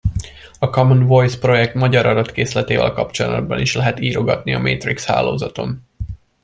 A Common Voice projekt magyar adatkészletével kapcsolatban is lehet írogatni a Matrix hálózaton.